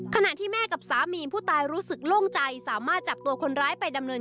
ขนาดที่แม่กับสามีผู้ตายรู้สึกล่งใจ